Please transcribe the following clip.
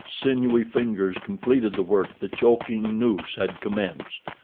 Sinewy fingers completed the work the choking noose had commenced.